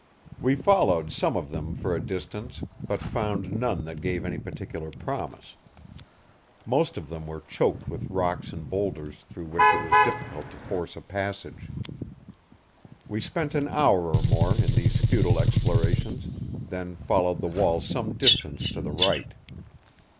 We followed some of them for a distance, but found none that gave any particular promise. Most of them were choked with rocks and boulders through which it was difficult to force a passage. We spent an hour or more in these futile explorations, then followed the wall some distance to the right.